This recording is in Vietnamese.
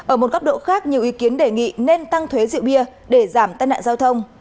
ở một góc độ khác nhiều ý kiến đề nghị nên tăng thuế rượu bia để giảm tai nạn giao thông